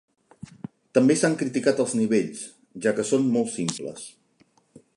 També s'han criticat els nivells, ja que són molt simples.